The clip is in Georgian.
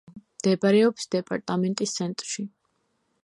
მდებარეობს დეპარტამენტის ცენტრში.